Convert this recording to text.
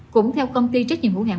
cũng theo công ty trách nhiệm hữu hạng